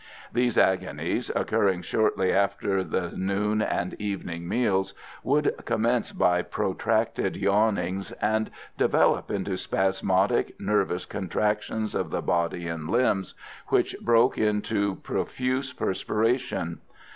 These agonies, occurring shortly after the noon and evening meals, would commence by protracted yawnings, and develop into spasmodic, nervous contractions of the body and limbs, which broke into profuse perspiration.